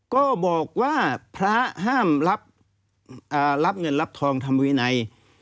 ก็บอกว่าพระห้ามรับเงินรับทองทำวินัย